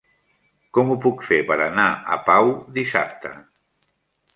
Com ho puc fer per anar a Pau dissabte?